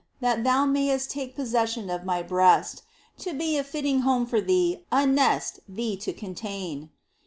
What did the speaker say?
That Thou mayst take possession of my breast To be a fitting home for Thee, a nest Thee to contain.